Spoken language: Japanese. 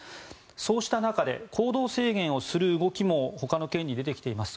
そうした中で行動制限をする動きもほかの県に出てきています。